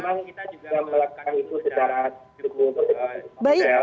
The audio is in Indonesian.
kalau kita juga melakukan itu secara cukup